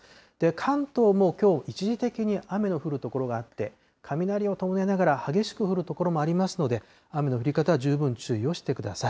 関東もきょう、一時的に雨の降る所があって、雷を伴いながら、激しく降る所もありますので、雨の降り方は十分注意をしてください。